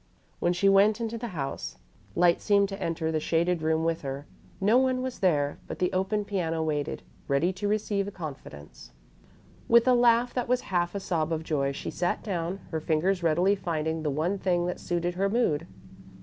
When she went into the house, light seemed to enter the shaded room with her. No one was there, but the open piano waited, ready to receive a confidence. With a laugh that was half a sob of joy, she sat down, her fingers readily finding the one thing that suited her mood.